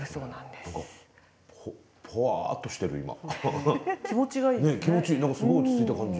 すごい落ち着いた感じ。